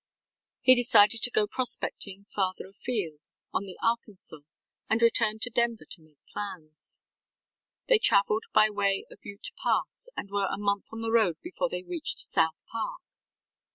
He decided to go prospecting farther afield, on the Arkansas, and returned to Denver to make plans. They traveled by way of Ute Pass and were a month on the road before they reached South Park.